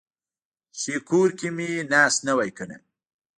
چې کور کې مې ناست نه وای کنه.